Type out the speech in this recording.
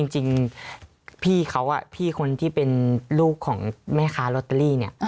จริงพี่เขาพี่คนที่เป็นลูกของแม่ค้าลอตเตอรี่เนี่ย